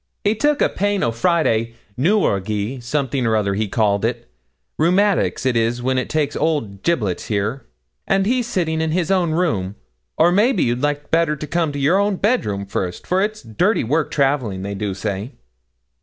'He took a pain o' Friday, newralgie something or other he calls it rheumatics it is when it takes old "Giblets" there; and he's sitting in his own room; or maybe you'd like better to come to your bedroom first, for it is dirty work travelling, they do say.'